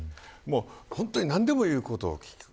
本当に、何でも言うことを聞く。